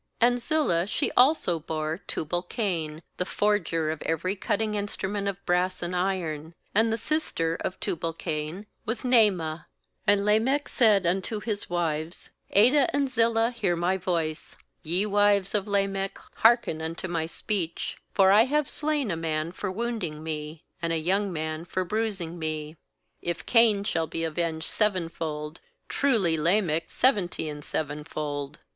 MAnd Zillah, she also bore Tubal cain, the forger of every cutting instrument of brass and iron; and the sister of Tubal cain was Naamah. ^And Lamech said unto his wives^: Adah and Zillah, hear my voice; Ye wives of Lamech, hearken unto my speech; For I have slam a ma,n for wound ing me, And a young man for bruising me; ^If Cain shall be avenged sevenfold, Truly Lamech seventy and seven fold.